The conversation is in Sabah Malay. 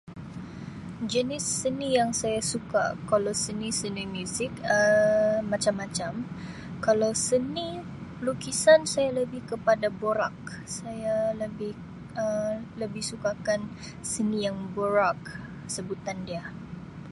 Jenis seni yang saya suka kalau seni-seni muzik Um macam-macam kalau seni lukisan saya lebih kepada boraque saya lebih Um lebih suka kan seni yang boraque sebutan dia.